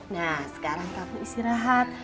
nah sekarang kamu istirahat